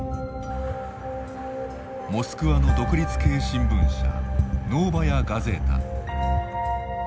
モスクワの独立系新聞社ノーバヤ・ガゼータ。